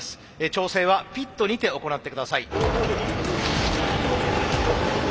調整はピットにて行ってください。